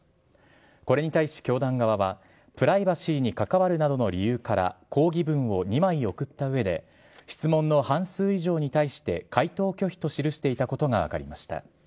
これに対し教団側は、プライバシーに関わるなどの理由から抗議文を２枚送ったうえで、質問の半数以上に対して回答拒否と記していたことが分かりました。